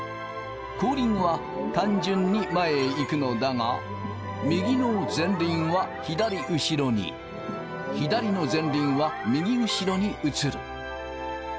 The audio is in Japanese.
後輪は単純に前へ行くのだが右の前輪は左後ろに左の前輪は右後ろに移る。